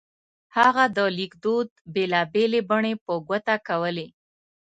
هغه د لیکدود بېلا بېلې بڼې په ګوته کولې.